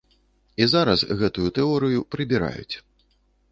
І зараз гэтую тэорыю прыбіраюць.